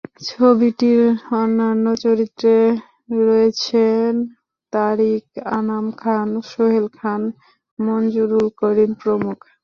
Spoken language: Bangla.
ছবিটির অন্যান্য চরিত্রে রয়েছেন তারিক আনাম খান, সোহেল খান, মঞ্জুরুল করিম প্রমুখ।